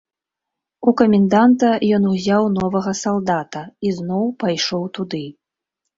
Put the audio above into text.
У каменданта ён узяў новага салдата і зноў пайшоў туды.